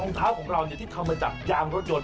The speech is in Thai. เท้าของเราที่ทำมาจากยางรถยน